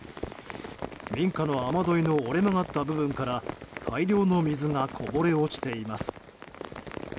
民家の雨どいの折れ曲がった部分から大量の水がこぼれ落ちています。